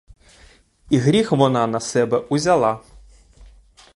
І гріх вона на себе узяла.